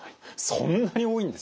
そんなに多いんですね。